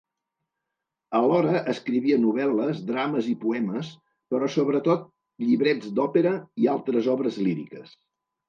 Alhora escrivia novel·les, drames i poemes, però sobretot llibrets d'òpera i altres obres líriques.